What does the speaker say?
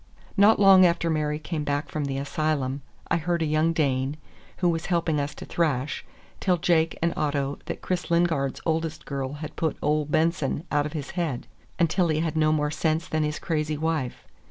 Not long after Mary came back from the asylum, I heard a young Dane, who was helping us to thrash, tell Jake and Otto that Chris Lingard's oldest girl had put Ole Benson out of his head, until he had no more sense than his crazy wife.